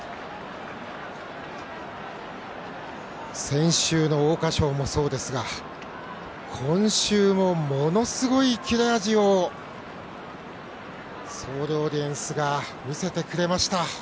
先週の桜花賞もそうですが今週も、ものすごいキレ味をソールオリエンスが見せてくれました。